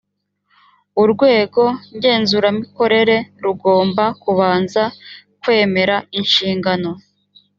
urwego ngenzuramikorere rugomba kubanza kwemera inshingano